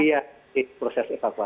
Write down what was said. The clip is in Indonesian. iya di proses evakuasi